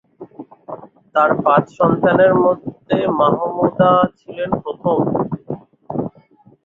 তার পাঁচ সন্তানের মধ্যে মাহমুদা ছিলেন প্রথম।